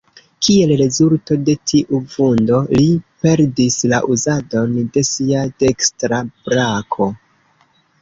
Kiel rezulto de tiu vundo, li perdis la uzadon de sia dekstra brako.